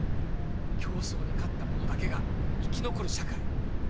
競争に勝ったものだけが生き残る社会。